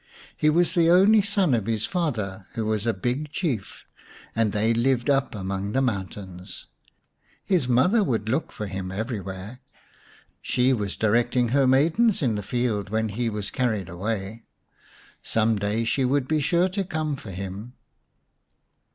He was the only son of his father, who was a big Chief, and they lived up among the mountains. His mother would look for him everywhere ; she was direct ing her maidens in the fields when he was carried away ; some day she would be sure to come for him.